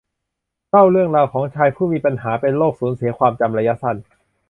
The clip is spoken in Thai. เล่าเรื่องราวของชายผู้มีปัญหาเป็นโรคสูญเสียความจำระยะสั้น